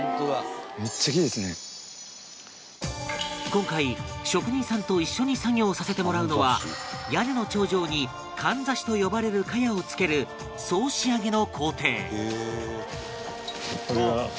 今回職人さんと一緒に作業させてもらうのは屋根の頂上にかんざしと呼ばれる茅を付ける総仕上げの工程